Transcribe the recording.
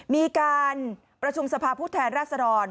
มีการประชุมสภาพผู้แทนราษฎร